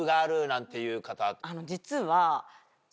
実は。